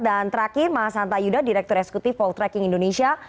dan terakhir mas anta ayuda direktur eksekutif vault tracking indonesia